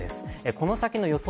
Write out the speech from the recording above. この先の予想